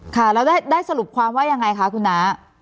ค่ะแล้วได้สรุปความว่ายังไงคะคุณน้า